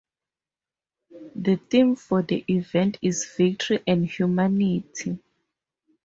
The theme for the event is "Victory and Humanity".